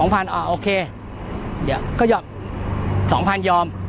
๒๐๐๐บาทอ่ะโอเคเดี๋ยวก็ยอม๒๐๐๐บาทยอม